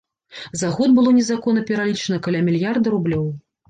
За год было незаконна пералічана каля мільярда рублёў.